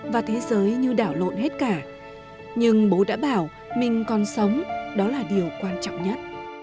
và thế giới như đảo lộn hết cả nhưng bố đã bảo mình còn sống đó là điều quan trọng nhất